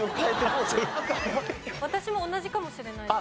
私も同じかもしれない。